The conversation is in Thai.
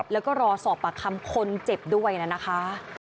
แล้วก็รอสอบปากคำคนเจ็บด้วยนะคะ